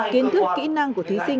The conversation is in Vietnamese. kiến thức kỹ năng của thí sinh